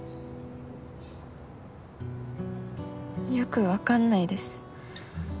よく分かんないです。